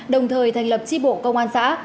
đồng thời thành lập tri bộ công an xã